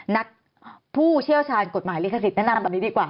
นักผู้เชี่ยวชาญกฎหมายลิขสิทธแนะนำแบบนี้ดีกว่า